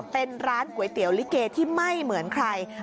เป็นร้านก๋วยเตี๋ยวลิเกที่ไม่เหมือนใคร